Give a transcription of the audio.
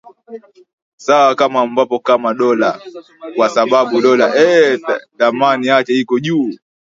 sawa kama ambapo kama dola kwa sababu dola eee dhamani yake iko juu